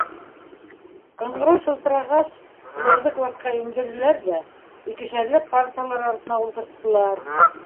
Ҡыңғырау шылтырағас, уларҙы класҡа индерҙеләр ҙә икешәрләп парталар артына ултырттылар.